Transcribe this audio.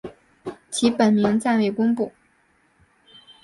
其本名暂未公布。